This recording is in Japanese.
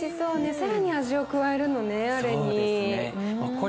更に味を加えるのねあれに。